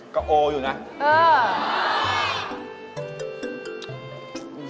ก็โออยู่นะเออ